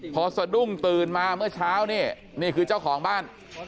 พอสะดุ้งตื่นมาเมื่อเช้านี่นี่คือเจ้าของบ้าน